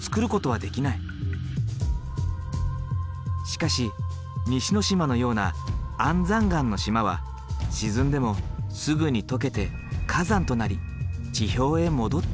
しかし西之島のような安山岩の島は沈んでもすぐに溶けて火山となり地表へ戻ってくる。